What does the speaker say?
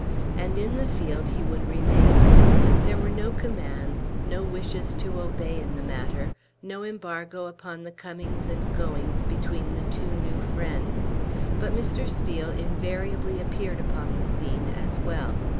And in the field he would remain. There were no commands, no wishes to obey in the matter, no embargo upon the comings and goings between the two new friends. But Mr. Steel invariably appeared upon the scene as well.